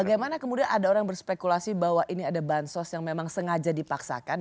bagaimana kemudian ada orang berspekulasi bahwa ini ada bansos yang memang sengaja dipaksakan